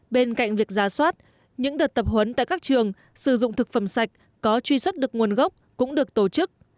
bên cạnh việc giá soát những đợt tập huấn tại các trường sử dụng thực phẩm sạch có truy xuất được nguồn gốc cũng được tổ chức